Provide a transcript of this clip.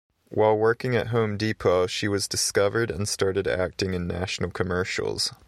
While working at Home Depot, she was discovered and started acting in national commercials.